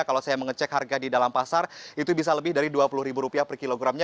kalau saya mengecek harga di dalam pasar itu bisa lebih dari rp dua puluh per kilogramnya